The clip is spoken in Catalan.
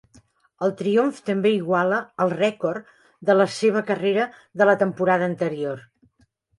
El triomf també iguala el rècord de la seva carrera de la temporada anterior.